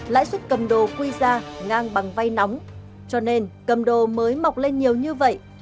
lãi suất cầm đồ quy ra ngang bằng vay nóng cho nên cầm đồ mới mọc lên nhiều như vậy